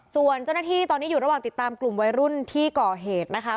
ส่วนเจ้าหน้าที่ตอนนี้อยู่ระหว่างติดตามกลุ่มวัยรุ่นที่ก่อเหตุนะคะ